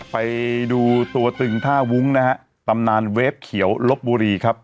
ไปดูตัวตึงท่าวุ้งนะฮะตำนานเวฟเขียวลบบุรีครับ